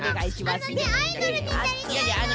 あのねアイドルになりたいの。